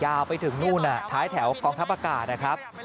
ยาวไปถึงนู่นท้ายแถวกองทัพอากาศนะครับ